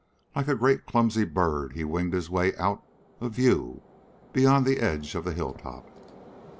Like a great clumsy bird he winged his way out of view beyond the edge of the hilltop.